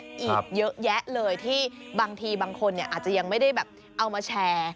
อีกเยอะแยะเลยที่บางทีบางคนอาจจะยังไม่ได้แบบเอามาแชร์